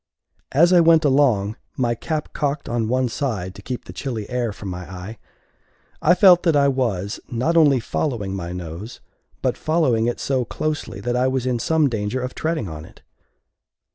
As I went along, my cap cocked on one side to keep the chilly air from my eye, I felt that I was not only following my nose, but following it so closely, that I was in some danger of treading on it.